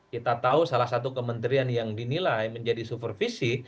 kita tahu salah satu kementerian yang dinilai menjadi supervisi